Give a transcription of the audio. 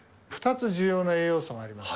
２つ重要な栄養素があります。